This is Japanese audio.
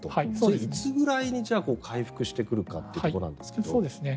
いつぐらいに回復してくるかということなんですが。